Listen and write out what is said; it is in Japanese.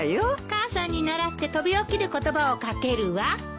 母さんに倣って飛び起きる言葉を掛けるわ。